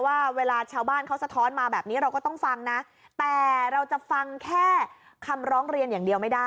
ว่าเวลาชาวบ้านเขาสะท้อนมาแบบนี้ต้องฟังนะแต่เราจะฟังแค่คำร้องเรียน